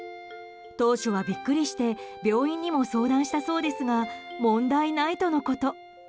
当初はビックリして病院にも相談したそうですが問題ないとのこと。